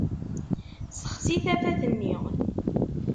Sexsi tafat-nni!